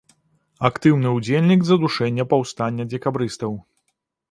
Актыўны ўдзельнік задушэння паўстання дзекабрыстаў.